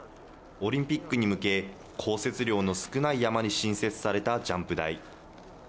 オリンピックに向け、降雪量の少ない山に新設されたジャンプ台。